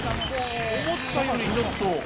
思ったよりちょっと。